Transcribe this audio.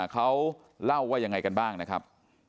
เขาเล่าว่ายังไงกันบ้างนะครับ